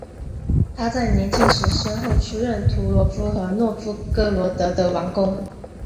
他在年轻时先后出任图罗夫和诺夫哥罗德的王公。